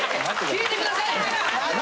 聞いてくださいよ！